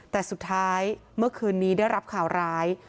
แต่สุดท้ายเมื่อคืนนี้ได้รับข่าวร้าย